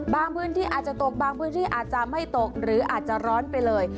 พื้นที่อาจจะตกบางพื้นที่อาจจะไม่ตกหรืออาจจะร้อนไปเลย